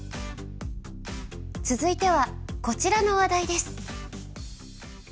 続いてはこちらの話題です。